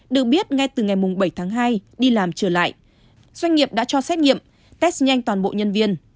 được biết ngay từ ngày bảy tháng hai đi làm trở lại doanh nghiệp đã cho xét nghiệm test nhanh toàn bộ nhân viên